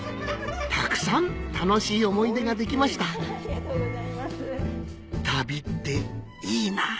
たくさん楽しい思い出ができました旅っていいなぁ